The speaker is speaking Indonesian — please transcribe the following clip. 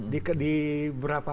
di beberapa daerah lain